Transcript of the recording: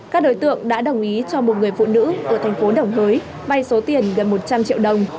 các đối tượng đã đồng ý cho một người phụ nữ ở thành phố đồng hới bay số tiền gần một trăm linh triệu đồng